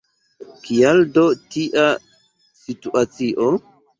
Kial do tia situacio?